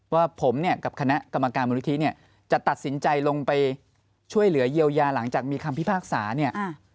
ว่าผมเนี่ยกับคณะกรรมการมูลนิธิเนี่ยจะตัดสินใจลงไปช่วยเหลือเยียวยาหลังจากมีคำพิพากษาเนี่ย